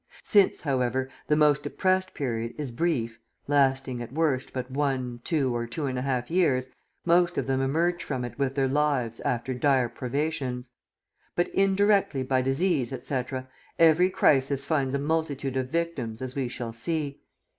Since, however, the most depressed period is brief, lasting, at worst, but one, two, or two and a half years, most of them emerge from it with their lives after dire privations. But indirectly by disease, etc., every crisis finds a multitude of victims, as we shall see.